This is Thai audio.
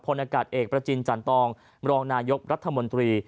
นากาศเอกประจินจันตองรองนายกรัฐมนตรี